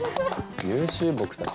優秀僕たち。